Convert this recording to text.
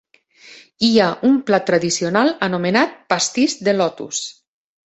Hi ha un plat tradicional anomenat Pastís de Lotus.